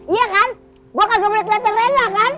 iya kan gue kagak boleh keliatan reina kan